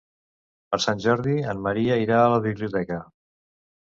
Per Sant Jordi en Maria irà a la biblioteca.